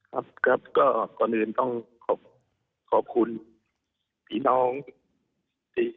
ครับครับก็ก่อนอื่นต้องขอขอบคุณพี่น้องที่